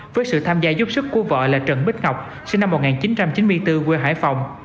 với sự tham gia giúp sức của vợ là trần bích ngọc sinh năm một nghìn chín trăm chín mươi bốn quê hải phòng